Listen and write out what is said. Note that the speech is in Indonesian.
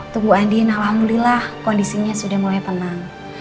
tunggu adin alhamdulillah kondisinya sudah mulai tenang